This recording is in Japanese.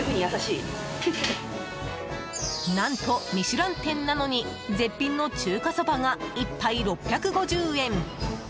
何と、ミシュラン店なのに絶品の中華そばが１杯６５０円。